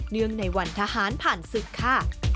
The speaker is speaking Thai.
เนื่องในวันทหารผ่านศึกค่ะ